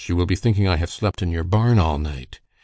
You will be thinking I have slept in your barn all night."